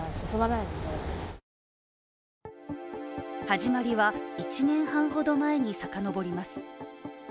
始まりは１年半ほど前に遡ります。